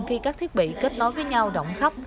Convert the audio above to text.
khi các thiết bị kết nối với nhau động khắp